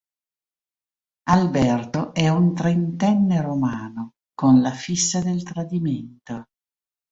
Alberto è un trentenne romano con la fissa del tradimento.